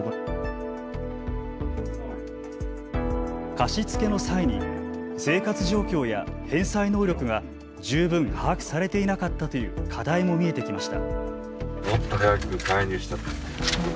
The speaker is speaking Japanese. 貸付の際に生活状況や返済能力が十分把握されていなかったという課題もみえてきました。